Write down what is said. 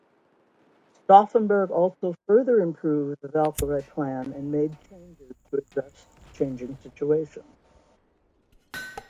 Stauffenberg also further improved the Valkyrie plan and made changes to address changing situations.